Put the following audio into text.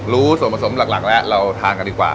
รู้ส่วนผสมหลักแล้วเราทานกันดีกว่า